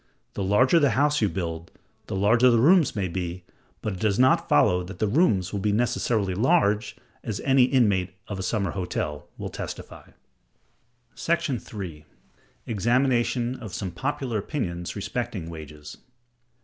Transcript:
The larger the house you build, the larger the rooms may be; but it does not follow that the rooms will be necessarily large—as any inmate of a summer hotel will testify. § 3. Examination of some popular Opinions respecting Wages.